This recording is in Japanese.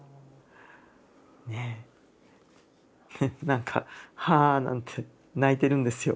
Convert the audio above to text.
何か「はぁ」なんて泣いてるんですよ。